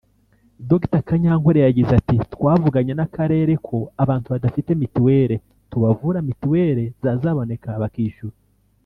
Dr Kanyankore yagize ati “Twavuganye n’Akarere ko abantu badafite mituweli tubavura mituweli zazaboneka bakishyura